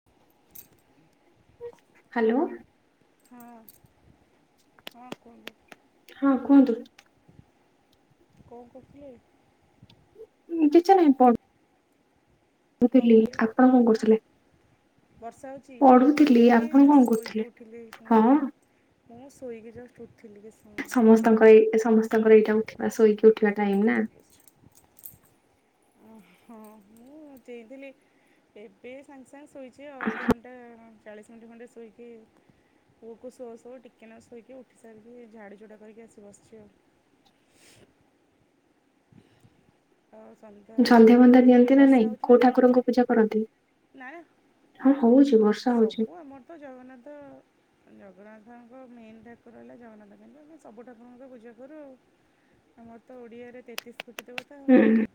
[unintelligible] Hello [inaudible] ହଁ ହଁ କୁହନ୍ତୁ ହଁ କୁହନ୍ତୁ କଣ କରୁଥିଲେ? କିଛି ନାଇଁ ପଢୁ କଣ କହିଲେ ଆପଣ କଣ ଆଁ କରୁଥିଲେ? ବର୍ଷା ହଉଛି ପଢୁଥିଲି ମୁଁ ଏଇ ଆପଣ କଣ ଜଷ୍ କରୁଥିଲେ? ଶୋଇକି ଉଠିଲି। ହଁ [inaudible] ମୁଁ ଶୋଇଲି ଜଷ୍ଟ୍ ଉଠିଲି [inaudible] ସମସ୍ତଙ୍କର ଏଇ ସମସ୍ତଙ୍କର ଏଇଟା ଉଠିବା ଶୋଇକି ଉଠିବା ଟାଇମ୍ ନା। ଛ [inaudible] ହଁ ମୁଁ ଚେଇଁଥିଲି ଏବେ ସାଙ୍ଗେ ସାଙ୍ଗେ ଶୋଇଛି ଅଧଘ ଣ୍ଚା ଚାଳିଶି ମିନିଟ୍ ଖଣ୍ଡେ ଶୋଇକି ପୁଅକୁ ଶୋଅ ଶୋଉ ଟିକେନା ଶୋଇକି ଉଠି ସାରିକି ଝାଡ଼ି ଝୁଡ଼ା କରିକି ଆସି ବସିଛି ଆଉ। ଥାଉଜ [inaudible] ସନ୍ଧ୍ୟା ଫନ୍ଧ୍ୟା ଦିଅନ୍ତି ନା ନାଇଁ କୋଉ ଠାକୁରଙ୍କୁ ପୂଜା କରନ୍ତି? ନା ହଉଛି। ସବୁ ଆମର ତ ଜଗନ୍ନାଥ ଜଗନ୍ନାଥଙ୍କ ମେନ୍ ଠାକୁର ହେଲା ଜଗନ୍ନାଥ କିନ୍ତୁ ଆମେ ସବୁ ଠାକୁରଙ୍କୁ ପୂଜା କରୁ ଆଉ। ଆମର ତ ଓଡିଆରେ ତେତିଶି କୋଟି ଦେବତା ହୁଁ ଉ।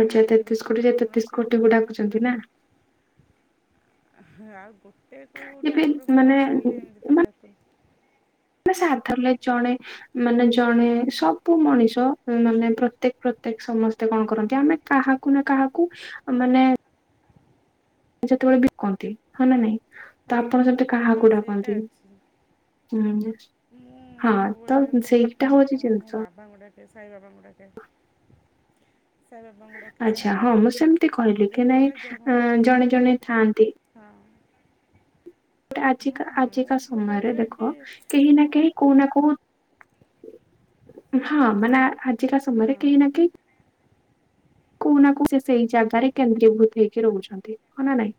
ଆଚ୍ଛା ଆଉ ତେତିଶ ସେମିତି କୋଟି ଯେ ତେତିଶ କୌଣସି କୋଟିକୁ ଗୋଟେ ଡାକୁଛନ୍ତି ଠାକୁର ନା। ଆଉ ଗୋଟେ କୋଉ ଏବେ ଠାକୁରଙ୍କୁ ମାନେ ପର୍ସନାଲି ଏମିତି ତ ଡାକେନି। ସାଧାରଣ ଜଣେ ମାନେ ଜଣେ ସବୁ ମଣିଷ ମାନେ ପ୍ରତ୍ୟେକ୍ ପ୍ର ଏ ସମସ୍ତେ କଣ ହଁ କରନ୍ତି ଆମେ କାହାକୁ ନା କାହାକୁ ମାନେ ଯେତେବେଳେ ବିିକନ୍ତି ହଁ ନା ନାଇଁ ହଁ ତ ହଁ ଆପଣ ହଁ ସେଠି ହଁ କାହାକୁ ସେଇଟା ଡାକନ୍ତି? ଅଛି ହୁଁ ହୁଁ। ମୁଁ ସବୁବେଳେ ମୋ ହଉଛି ମୋ ଜିନିଷ ବାବାଙ୍କୁ ଡାକେ ସାଇ ବାବାଙ୍କୁ ଡାକେ। ସାଇବାବାଙ୍କୁ ଡାକେ ଆଚ୍ଛା ହଁ ସବୁବଳେ ମୁଁ ସେମିତି କହିଲି କି ନାଇଁ ଯେତେବଳେ ଯେହୁଁ ଅଁ, ପାଖେ। ଜଣେ ଜଣେ ଥାଆନ୍ତି ହଁ। ଗୋଟେ ହଁ ଆଜିକା ହଁ ମୁଁ ଆଜିକା ସମୟରେ ଉପପାଟିରେ କି ଦେଖ କେହି ନା କଣ କେହି କୋଉ ନା କୋଉ ହଁ ମାନେ ଆଜିକା ହଁ ସମୟରେ କେହି ନା କେହି କୋଉ ନା କୋଉ ସେ ସେଇ ଜାଗାରେ କେନ୍ଦ୍ରୀଭୂତ ହେଇକି ରହୁଛନ୍ତି ହଁ ନା ନାଇଁ?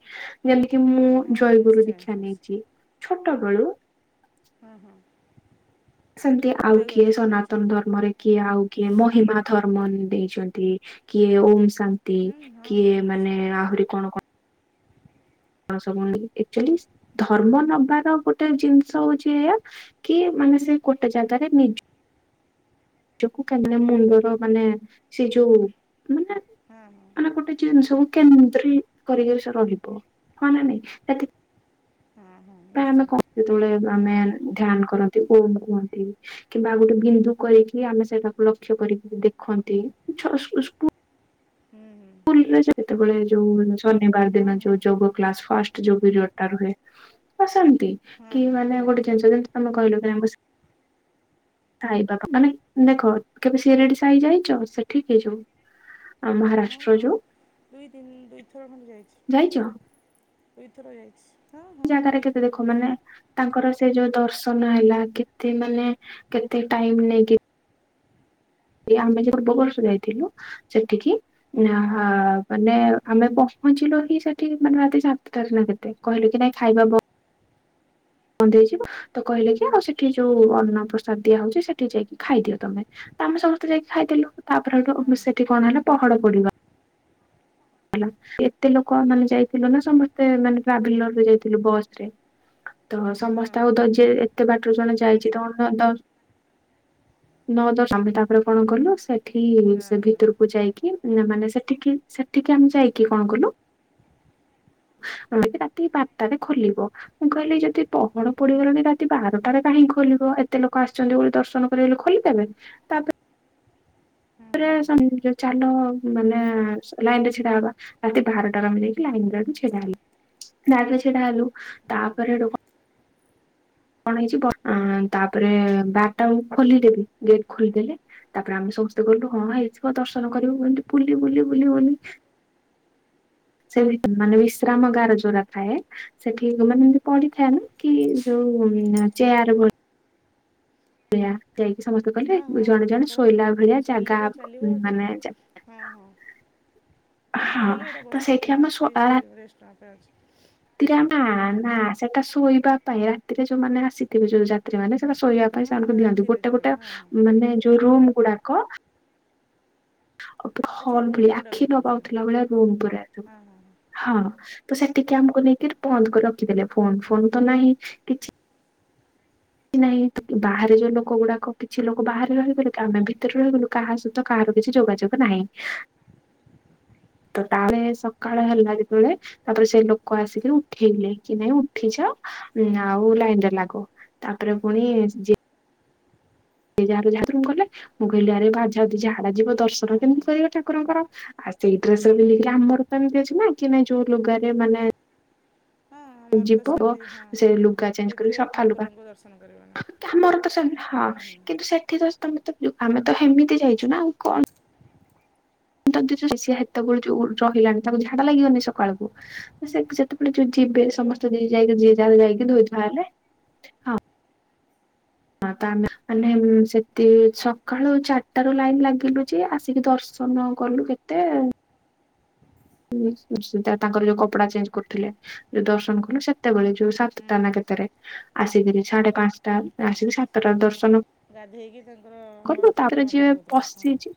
ଯେମତି କିି ମୁଁ ହଁ ଜୟଗୁରୁ ନିଶ୍ଚୟ ଦୀକ୍ଷା ନିଶ୍ଚୟ ନେଇଚି ଛୋଟବେଳୁ ହଁ ହଁ। ସେମତି ଆଉ ଜୈବ କିଏ ଦୀକ୍ଷା ସନାତନ ନେଇଛନ୍ତି ଧର୍ମରେ କିଏ ଆଉ କିଏ ମହିମା ଧର୍ମ ଦେଇଚନ୍ତି କିଏ ଓମ୍ ସାନ୍ ନ୍ତି ହୁଁ ହଁ ହଁ କିଏ ନିଶ୍ଚୟ ମାନେ ଆହୁରି କଣ [unintelligible] ଆକଚୋଲି ଧର୍ମ ନବାର ଗୋଟେ ଜିନଷ ହୋଉଚି ଏଇଆ କି ମାନେ ସେ ଗୋଟେ ଜାଗାରେ ନିଜ୍ ଜକୁ କାହିଁକିନା ମୁଣ୍ଡର ମାନେ ସିଏ ଯୋଉ ମାନେ ହଁ ହଁ। ମାନେ ଗୋଟେ ଜିନିଷବୁ କେନ୍ଦ୍ରି କରିକରି ସେ ରହିବ ହଁ ନା ନାଇଁ ତାଥି ହାଁ ହଁ। ପ୍ରାୟେ ଆମେ ନିଶ୍ଚୟ କଣ ଯେତେବେଳେ ଆମେ ଧ୍ୟାନ କରନ୍ତି କୋନ କୁହନ୍ତି କିମ୍ବା ଗୋଟେ ବିନ୍ଦୁ କରିକି ଆମେ ସେଟାକୁ ଲକ୍ଷ୍ୟ କରିକି ଦେଖନ୍ତି [unintelligible] ହୁଁ ହୁଁ। ସ୍କୁଲରେ ଯେତେବେଳେ ଯୋଉ ଶନିବାର ହଁ ଦିନ ହଁ ଯୋଉ ଯୋଗ କ୍ଲାସ ଫାଷ୍ଟ ଯୋଉ ପିରିୟଟା ରୁହେ ଆସନ୍ତି ହଁ କି ହଁ ମାନେ ହୁଏ ଗୋଟେ ଯୋଉ ଜିନିଷ ଯେମିତି ତମେ କହିଲ କି ଆମକୁ ଶି ଖାଇବା ମାନେ ଦେଖ କେବେ ସିରିଡି ସାଇ ଯାଇଚ ସେଠିକି ଏଇ ଯୋଉ ଆ ହଁ ମହାରାଷ୍ଟ୍ର ହଁ ଯୋଉ ଦୁଇ ଦିନ ଦୁଇଥର ଖଣ୍ଡେ ଯାଇଛ? ଯାଇଛି ଦୁଇଥର ଯାଇଛି। ହଁ ହଁ ଜାଗାରେ କେତେ ଦୁଇଥର ଦେଖ ମାନେ ଯାଇଛି। ତାଙ୍କର ସେ ଯୋଉ ଦର୍ଶନ ହେଲା କେତେ ମାନେ କେତେ ଟାଇମ ନେଇକି ଆମେ ଯୋଉ ପୂର୍ବ ବର୍ଷ ଯାଇଥିଲୁ ସେଠିକି ନା ମାନେ ଆମେ ପହଞ୍ଚିଲୁ ହିଁ ସେଠି ମାନେ ରାତି ସାତଟାରେ ନା କେତେ? କହିଲୁ କି ନାଇ ଖାଇବା ବ ବନ୍ଦ ହେଇଯିବ ତ କହିଲେ କି ଆଉ ସେଠି ଯୋଉ ଅନ୍ନ ପ୍ରସାଦ ଦିଆ ହୋଉଚି ସେଠି ଯାଇକି ଖାଇଦିଅ ତମେ। ଆମେ ସମସ୍ତେ ଯାଇକି ଖାଇଦେଲୁ ତାପରେ ହଁ ହେଠୁ ସେଠି କଣ ହେଲା ପହଡ ପଡ଼ିବା ହେଲା ଏତେ ଲୋକ ଆମ ମାନେ ଯାଇଥିଲୁ ନା ସମସ୍ତେ ମାନେ ଟ୍ରାଭେଲ ଲଗେଇ ଯାଇଥିଲୁ ବସରେ। ତ ହଁ ସମସ୍ତେ ଆଉ ହଁ ହଁ ଧର୍ଯ୍ୟ ଏତେ ବାଟରୁ ଜଣେ ଯାଇଚି [unintelligible] ତ ନ ଦଶ ଆମେ ତାପରେ କଣ କଲୁ ସେଠି ନା ସେ ନା ଭିତରକୁ ଯାଇକି ପିଲାମାନେ ସେଠିକି ସେ ଠିକି ଆମେ ଯାଇକି କଣ କଲୁ [unintelligible] ରାତି ବାରଟାରେ ଖୋଲିବ। ମୁଁ କହିଲି ଯଦି ପହଡ ପଡିଗଲାଣି ରାତି ବାରଟାରେ କାହିଁକି ଖୋଲିବ ଏତେ ଲୋକ ଆସିଚନ୍ତି ବୋଲି ଦର୍ଶନ ତାପରେ ଖୋଲିପାରଲେ ତାପରେ ହଁ ରେ ହଁ ସମୁଦ୍ର ଚାଲ ମାନେ ଲାଇନରେ ଛିଡା ହବା ରାତି ବାରଟାରେ ଆମେ ଯାଇକି ଲାଇନରେ ହେଠୁ ଛିଡାହେଲୁ। ଲାଇନରେ ଛିଡା ହେଲୁ ହୁଁ ତାପରେ ହେଠୁ କ କଣ ହେଇଚି ଗ ଅ ତାପରେ ବାରଟାବେଳକୁ ଖୋଲିଦେବି ଗେଟ ଖୋଲିଦେଲେ। ତାପରେ ଆମେ ସମସ୍ତେ କହିଲୁ ହଁ ହେଇଯିବ ଦର୍ଶନ କରିବୁ କେମତି ବୁଲି ବୁଲି ବୁଲି ବୁଲି। ସେ ବି ମାନେ ବିଶ୍ରାମଗାର ଯୋଉରା ଥାଏ ସେଠି ମାନେ ଏମତି ପଡିଥାଏ ନା? କି ଯୋଉ ନା ହଁ ଚେୟାର ଗୁ ଏଆ ଯାଇକି ସମସ୍ତେ କହଲେ ହଁ ହଁ ହଁ ଜଣେ ଜଣେ ତାଙ୍କର ଶୋଇଲା ଭଳିଆ ଚାଲିବ ଚାଲିବ ଜାଗାହବ ତାପରେ ମାନେ ଯା ହଁ ହଁ ଥକିଗଲେ ଏଇଟା ତ ବସିବା ସେଇଠି ପାଇଁ ଆମେ ଅଛି ସେ ରେଷ୍ଟ ନବା ପାଇଁ ଅଛି। [unintelligible] ନା ନା ସେଟା ଶୋଇବା ପାଇଁ ରାତିରେ ଯୋଉମାନେ ଆସିଥିବେ ଯୋଉ ଜା ରାତିରେ ସେଟା ଶୋଇବା ପାଇଁ ହଁ ହଁ ସେମାନଙ୍କୁ ଦିଅନ୍ତି। ରାତିରେ ଗୋଟେ ଯିବନି ଗୋଟେ ହଁ ହଁ ମାନେ ଯୋଉ ରୁମ୍ ଗୁଡାକ ଆଉ ପ ଆଚ୍ଛା ହଲ୍ ରେ ରୁମ୍ ଗୁଡ଼ାକ ଆଖି ନ କହୁଛନ୍ତି ପାଉଥିଲା ଭଳିଆ ରୁମ୍ ପୁରା ହଁ ହଁ ସବୁ ହଁ ତ ସେଠିକି ଆମକୁ ନେଇକି ବନ୍ଦ କରି ରଖିଦେଲେ, ଫୋନ୍ ଫୋନ୍ ତ ନାହିଁ କିଛି କି ନାଇଁ ତ ବାହାରେ ହଁ ଯୋଉ ହଁ ଲୋକ ଗୁଡାକ କେତ କିଛି ଲୋକ ବାହାରେ ରହିଗଲେ ତ ଆମେ ଭିତରେ ରହିଗଲୁ କାହା ସହିତ କାହାର କିଛି ଯୋଗାଯୋଗ ନାହିଁ। ତ ତାଳେ ସକାଳେ ହେଲା ଯେତେବେଳେ ତାପରେ ସେଇ ଲୋକ ଆସିକି ଉଠେଇଲେ କି ନାଇଁ ଉଠିଯାଅ ଆଉ ଲାଇନ୍ ଟା ଲାଗୁ। ତାପରେ ପୁଣିଚ ଜି ଯାହାର ଯାହା ରୁମ୍ ଗଲେ। ମୁଁ କହିଲି ଆରେ ବା ଯଦି ଝାଡା ଯିବ ହଁ ଦର୍ଶନ ହଁ ହଁ କେମିତି କରିବ ଠାକୁରଙ୍କର ଆଉ ସେଇ ଡ୍ରେସ ବି ହେଇକି ଆମର ତ ଏମତି ଅଛି ନା କି ନା ଯୋଉ ଲୁଗାରେ ମାନେ ହଁ ମୋର ତ ଯିବୁ ସେମିତି ହଁ ସେ ଲୁଗା ଚେଞ୍ଜ କରିବୁ ସେଇଥିରେ ସଫା ଲୁଗା ଠାକୁରଙ୍କୁ ଦର୍ଶନ କରିବ ନା କି ଆମର ତ ସେ ହଁ ହୁଁ ହୁଁ କିନ୍ତୁ ସେଠି ତ ତମେ ତ ଆମେ ତ ହେମିତି ଯାଇଛୁ ନା ଆଉ କଣ ତ ଯଉ ସେତବେଳୁ ଯୋଉ ରହିଲାଣି ତାକୁ ଝାଡ଼ା ଲାଗିବନି ସକାଳକୁ? ସେ ଯେତେ ଏ ଯୋଉ ଯିବେ ଲାଗିବ ସମସ୍ତେ ଯିଏ ହୁଁ ଯାଇକି ଯିଏ ଯାର ଯାଇକି ଧୋଇଧୁଆ ହେଲେ ହଁ ହଁ ତ ଆମେ ମାନେ ସେଠି ସକାଳୁ ଚାରିଟାରୁ ଲାଇନ୍ ଲାଗିଲୁ ଯେ ଆସିକି ଦର୍ଶ ଦର୍ଶନ କଲୁ କେତେ। ହୁଁ ନିଶ୍ଚିନ୍ତ ତାଙ୍କର ଯୋଉ କପଡ଼ା ଚେଞ୍ଜ କରୁଥିଲେ ଯୋଉ ଦର୍ଶନ କଲୁ ସେତେବେଳେ ଯୋଉ ହୁଁ ସାତଟା ହୁଁ ନା କେତେରେ ଆସିକିରି ସାଢେ ପାଞ୍ଚଟା ହଁ ଆସିକି ସାତଟାରେ ଦର୍ଶନ ଗାଧେଇକି ତାଙ୍କର କଲୁ ବସ୍ତ୍ର ତାପରେ ନୂଆ ଯିଏ ପିନ୍ଧଉଥିଲେ, ହଁ। ପଶିଛି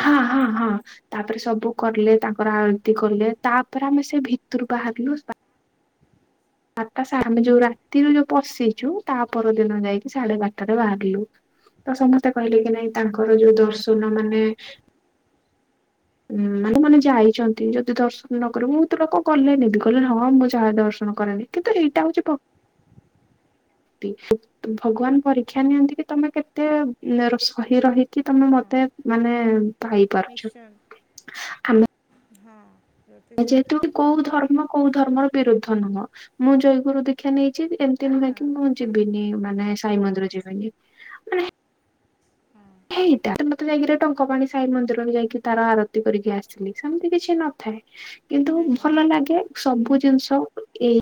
ହଁ ହଁ ହଁ ତାପରେ ସବୁ କରିଲେ ତା ତା ପରେ ଆଳତି କଲେ ତାପରେ ଆମେ ସେ ଭିତରୁ ବାହାରିଲୁ ସା ଆଠଟା ସା ଆମେ ଯୋଉ ରାତିରୁ ଯୋଉ ପଶିଚୁ ତା ପରଦିନ ଯାଇକି ସାଢେ ବାରଟାରେ ବାହାରିଲୁ। ତ ସମସ୍ତେ କହିଲେ କି ନାଇଁ ତାଙ୍କର ଆଚ୍ଛା ଯୋଉ ଆଚ୍ଛା ଦର୍ଶନ ମାନେ ହୁଁ ମାନେ ମାନେ ଯାଇଚନ୍ତି ଯଦି ଦର୍ଶନ ନ କରିବୁ ତ ଲୋକ କଲେନି ବି କହିଲେ ହଁ ମୁଁ ଯାହା ଦର୍ଶନ କରେଇବି। କିନ୍ତୁ ହେଇଟା ହେଉଚି ପ [inaudible] ତି [unintelligible] ଭଗବାନ ପରୀକ୍ଷା ନିଅନ୍ତି କି ତମେ କେତେ ସହି ରହିକି ତମେ ହଁ ମତେ ମାନେ ପାଇପାରୁଚ। ଆଁ ହଁ। ଜ୍ୟୋତିଷ ଯେହେତୁ କୋଉ ଧର୍ମ କୋଉ ଧର୍ମର ବିରୁଦ୍ଧ ନୁହଁ ମୁଁ ଜୟଗୁରୁ ଦିଖ୍ ଦିକ୍ଷା ନେଇଛି ଏମିତି ନା ନା ନୁହେଁକି ମୁଁ ଯିବିନି ମାନେ ସାଇ ମନ୍ଦିର ଯିବିନି। ହଁ ଏଇଟା ମତେ ଯାଇକିରି ଟଙ୍କା ପାାଣି ସାଇ ମନ୍ଦିରକୁ ଯାଇକି ତାର ଆରତି କରିକି ଆସିଲି ସେମିତି କିଛି ନଥାଏ। କିନ୍ତୁ ଯାଇଛନ୍ତି ଭଲ ଲାଗେ ସବୁ ଜିନିଷ ଏଇ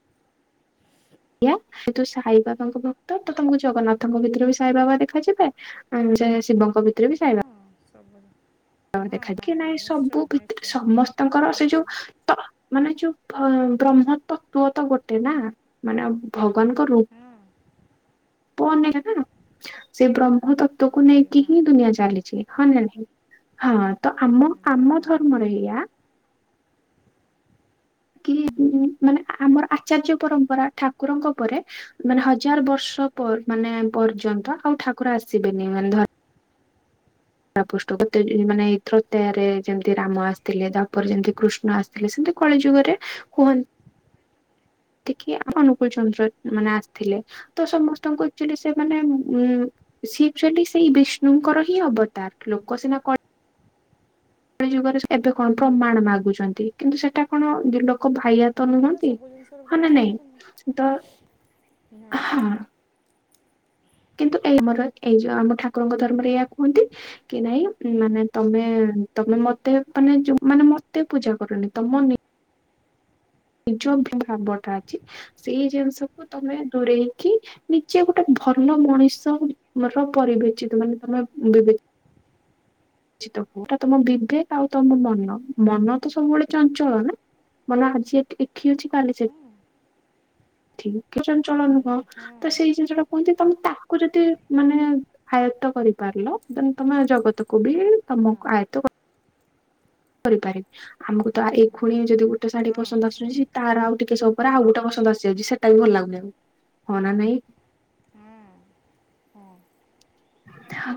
ଏୟା ଯେ ତୁ ସାଇ ବାବାଙ୍କ ଭକ୍ତ ତ ତମକୁ ଜଗନ୍ନାଥଙ୍କ ଭିତରେ ବି ସାଇବାବା ଦେଖାଯିବେ। ଆ ଜେ ଶିବଙ୍କ ଭିତରେ ବି ସାଇବାବା। ସବୁବେଳେ ତ ଦେଖା କି ନାଇଁ ସବୁ ଭିତରେ ସମସ୍ତଙ୍କର ସେ ହଁ ଯୋଉ ତ ମାନେ ଯୋଉ ବ୍ରହ୍ମ ତତ୍ଵ ତ ଗୋଟେ ନା ମାନେ ଭଗବାନଙ୍କ ରୂପ ହଁ। ପନରି ତ, ସେ ବ୍ରହ୍ମ ତତ୍ଵକୁ ଗୋଟେ ନେଇକି ହଁ ହିଁ ଦୁନିଆ ଚାଲିଛି, ହଁ ନା ନାଇଁ? ହଁ ତ ହୁଁ ଆମ ହଁ ଆମ ହଁ ଧର୍ମରେ ଏଇଆ କି ମାନେ ଆମର ଆଚାର୍ଯ୍ୟ ପରମ୍ପରା ଠାକୁରଙ୍କ ଉପରେ ମାନେ ହଜାର ବର୍ଷ ମାନେ ପର୍ଯ୍ୟନ୍ତ ଆଉ ଠାକୁର ଆସିବେନି ମାନେ ଧ [unintelligible] ଯେମିତି ରାମ ଆସିଥିଲେ ତାପରେ ଯେମିତି କୃଷ୍ଣ ଆସି ଥିଲେ ସେମିତି କଳି ଯୁଗରେ କୁହ ଟିକି ଅନୁକୂଳ ଚନ୍ଦ୍ର ମାନେ ଆସିଥିଲେ ତ ସମସ୍ତଙ୍କୁ ଆଚୁଲି ସେ ମାନେ ଉ ସିଏ ଆଚ୍ୟୁଆଲି ସେଇ ବିଷ୍ଣୁଙ୍କର ହିଁ ଅବତାର ଲୋକ ସେନା କ କଳି ଯୁଗରେ ଏବେ କଣ ପ୍ରମାଣ ମାଗୁଛନ୍ତି କିନ୍ତୁ ସେଟା କଣ ଲୋକ ଭାଇଆ ତ ଏବେ ନୁହନ୍ତି ସବୁ ଜିନିଷର ହଁ ଭ୍ରମଣ ନା ହେଉଛନ୍ତି ନାଇଁ ତ ହଁ। କିନ୍ତୁ ଏଇ ଆମର ଏଇ ଯୋଉ ଆମ ଠାକୁରଙ୍କ ଧର୍ମରେ ଏୟା କୁହନ୍ତି। କି ନାଇଁ ମାନେ ତମେ ତମେମତେ ତମେ ମାନେ ମତେ ପୂଜା କରୁନି ତମ ନିଜ ବି ଭାବଟା ଅଛି ସେଇ ଜିନିଷକୁ ତମେ ଦୂରେଇକି। ନିଜେ ଗୋଟେ ଭଲ ମଣିଷ ର ପରିବେଚିତ ମାନେ ତମେ [unintelligible] ତମ ବିବେକ ଆଉ ତମ ମନ ମନ ତ ସବୁବେଳେ ଚଞ୍ଚଳ ନା। ମାନେ ଆଜି ଏକି ଅଛି କାଲି ସେଠି। ହଁ ଠିକ କି ଚଞ୍ଚଳ ନୁହଁ ଅନା ହଁ ତ ସେଇ ଜିନିଷଟା। କୁହନ୍ତି ତମେ ତାକୁ ଯଦି ମାନେ ଆୟତ କରିପାରିଲ ଦେନ୍ ତମେ ଜଗତକୁୁ ବି ହଁ [unintelligible] କରିପାରିବି ଆମକୁ ତ କରିପାରିବ ଏଇ ହଁ ଖୁଣି ଯଦି ଗୋଟେ ଶାଢୀ ହଁ ପସନ୍ଦ ନିଶ୍ଚୟ ଆସୁଛି ତାର ଆଉ ଟିକେ ସ ପରା ଆଉ ଗୋଟେ ପସନ୍ଦ ଆସିଯାଉଛି, ସେଟା ବି ଭଲ ଲାଗୁନି ଆଉ ହଁ ନା ନାଇଁ। ହଁ ହଁ।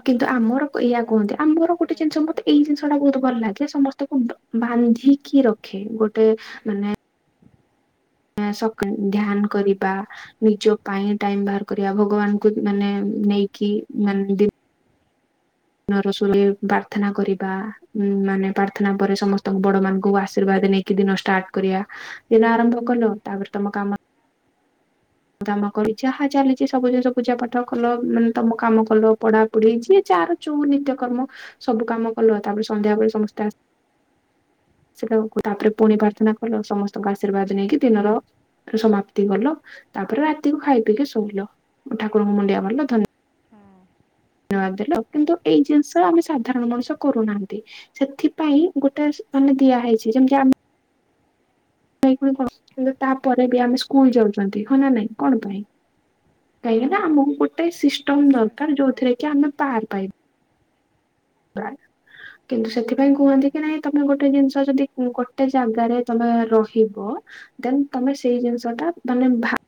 କିନ୍ତୁ ଆମର ଆୟ ଯାହା କୁହନ୍ତି ହଉ ଆମର ଆପଣ ଗୋଟେ ଏତେ ଜିନିଷ କଥା ମତେ ଏଇ ଜିନି ସେଟା ବହୁତ ଭଲ ଲାଗେ ସମସ୍ତଙ୍କୁ ବାନ୍ଧିକି ରଖେ ଗୋଟେ ମାନେ ସକା ଧ୍ୟାନ କରିବା। ନିଜ ପାଇଁ ଟାଇମ ବାହାର କରିବା ହଁ ଭଗବାନଙ୍କୁ ମାନେ ନେଇକି ମାନେ [unintelligible] ପ୍ରାର୍ଥନା କରିବା ଉ ମାନେ ପ୍ରାର୍ଥନା ପରେ ସମସ୍ତଙ୍କ ବଡ ମାନଙ୍କୁ ଆଶୀର୍ବାଦ ନେଇ କି ଦିନ ଷ୍ଟାର୍ଟ କରିବା, ଦିନ ଆରମ୍ଭ କଲ ତାପରେ ତମ କାମ କାମ କଲ ଯାହା ଚାଲିଛି ସବୁ ଜିନିଷ ପୂଜା ପାଠ କଲ ମାନେ ତମ କାମ କଲ ପଢା ପଢେଇଛି ଜାର ଜଉ ନିତ୍ୟକର୍ମ ସବୁ କାମ କଲ ତାପରେ ସନ୍ଧ୍ୟାବେଳେ ସମସ୍ତେ ଆ ସେଠୁ ତାପରେ ପୁଣି ପ୍ରାର୍ଥନା କଲ ସମସ୍ତଙ୍କ ଆଶୀର୍ବାଦ ନେଇକି ଦିନର। ସମାପ୍ତି କଲ ତାପରେ ରାତିକୁୁ ଖାଇ ପିକି ଶୋଇଲ ଠାକୁରଙ୍କୁ ମୁଣ୍ଡିଆ ଭାରିଲ ଧନ୍ୟ ହଁ। ବାଦ୍ ଦେଲ କିନ୍ତୁ ଏଇ ଜିନିଷ ଆମେ ସାଧାରଣ ମଣିଷ କରୁନାହାନ୍ତି। ସେଥିପାଇଁ ଗୋଟେ ମାନେ ଦିଆ ହେଇଛି ଯେମିତି ଆମ [unintelligible] ତାପରେ ବି ଆମେ ସ୍କୁଲ ଯାଉଛନ୍ତି ହ ନା ନାଇଁ କଣ ପାଇଁ? ହଁ କାହିଁକି ନା ଆମକୁ ଗୋଟେ ସିଷ୍ଟମ ନିଶ୍ଚୟ ଦରକାର ଯିବୁ ହଁ ଯୋଉଥିରେ କି ଆମେ ପାର ପାଇବା। କିନ୍ତୁ ସେଥିପାଇଁ ହଁ ହଁ କୁହନ୍ତି କି ନାଇଁ ତମେ ଗୋଟେ ଜିନିଷ ଯଦି ଗୋଟେ ଜାଗାରେ ତମେ ରହିବ। ଦେନ୍ ତମେ ସେଇ ଜିନିଷ ଟା ମାନେ ଭା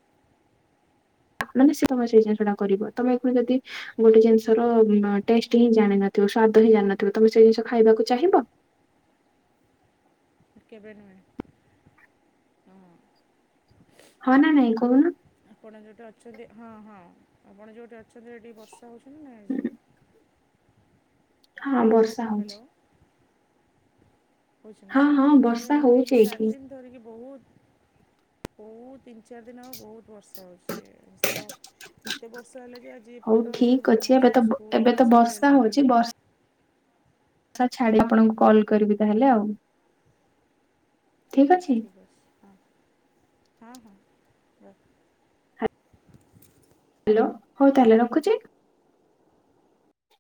[unintelligible] ଗୋଟେ ଜିନିଷର ଟେଷ୍ଟ ହିଁ ଜାଣିନଥିବ, ସ୍ଵାଦ ହିଁ ଜାଣିନଥିବ, ତମେ ସେ ଜିନିଷ ଖାଇବାକୁ ଚାହିଁବ? କେବେ ନୁହେଁ। ହଁ ହଁ ନା ନାଇଁ କହୁନ? ଆପଣ ଯୋଉଠି ଅଛନ୍ତି ହଁ ହଁ, ଆପଣ ଯେଉଁଠି ଅଛନ୍ତି ସେଠି ବର୍ଷା ହଉଛନ୍ତି ନା ନାଇଁ ଯେ? ହଁ ବର୍ଷା ହଉଛି। ହ୍ୟାଲୋ ହଉଛି ନା, ହଁ ହଁ ତ ଏବେ ବର୍ଷା ତିନି ହଉଛି ଚାରି ଏଇଠି। ଦିନ ଦିନି ଧରିକି ବହୁତ୍ ବହୁତ୍ ତିନି ଚାରି ଦିନି ହବ ବହୁତ ବର୍ଷା ବର୍ଷା ହେଉଛି ବର୍ଷା କେତେ ବର୍ଷା ହେଲା ଯେ ଆ ହଉ ଏପଟ ଠିକ ଅଛି ଆମର ଏବେ ତ ସବୁ ସ୍କୁଲ୍ ଏବେ ଗୁଡ଼ା ତ ସବୁ ବର୍ଷା ରେନି ହଉଛି ବର୍ଷା ଛାଡିିଲେ ଆପଣଙ୍କୁ କଲ୍ କରିବି ତାହେଲେ ଆଉ ଠିକ୍ ଅଛି ଠିକ୍ ଅଛି ହଁ ହଁ ହଁ ରଖ ହ୍ୟାଲୋ ହଉ ତାହେଲେ ରଖୁଛି